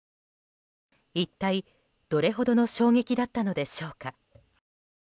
一体、どれほどの衝撃だったのでしょうか。